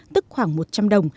tức khoảng một trăm linh đồng